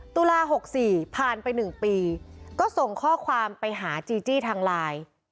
ตุลา๖๔ผ่านไป๑ปีก็ส่งข้อความไปหาจีจี้ทางไลน์